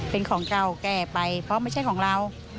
เป็นของเก่าแก่ไปเพราะไม่ใช่ของเรา